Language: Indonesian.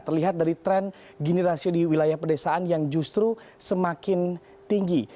terlihat dari tren gini rasio di wilayah pedesaan yang justru semakin tinggi